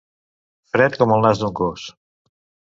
Fred com el nas d'un gos.